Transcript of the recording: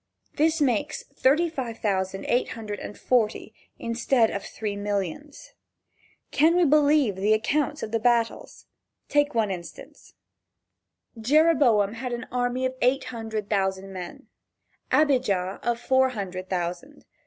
This makes thirty five thousand eight hundred and forty, (35,840.) instead of three millions. Can we believe the accounts of the battles? Take one instance: Jereboam had an army of eight hundred thousand men, Abijah of four hundred thousand.